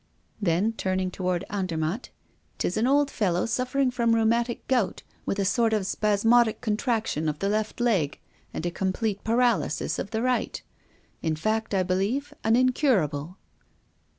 Then, turning toward Andermatt: "'Tis an old fellow suffering from rheumatic gout with a sort of spasmodic contraction of the left leg and a complete paralysis of the right; in fact, I believe, an incurable."